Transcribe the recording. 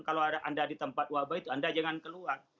kalau anda di tempat wabah itu anda jangan keluar